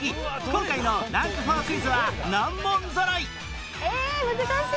今回のランク４クイズは難問ぞろい